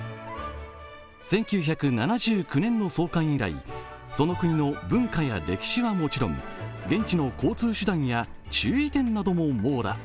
１９７９年の創刊以来その国の文化や歴史はもちろん現地の交通手段や注意点なども網羅。